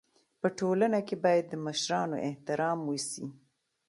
په ټولنه کي بايد د مشرانو احترام وسي.